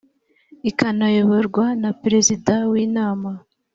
ikanayoborwa na perezida w inama